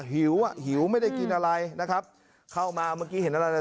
หิวอ่ะหิวไม่ได้กินอะไรนะครับเข้ามาเมื่อกี้เห็นอะไรเลย